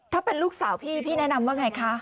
ถ้าเป็นลูกสาวพี่พี่แนะนำว่าไงคะ